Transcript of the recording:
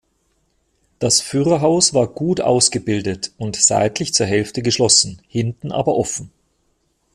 Das Führerhaus war gut ausgebildet und seitlich zur Hälfte geschlossen, hinten aber offen.